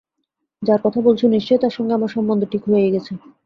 যাঁর কথা বলছ নিশ্চয়ই তাঁর সঙ্গে আমার সম্বন্ধ ঠিক হয়েই গেছে।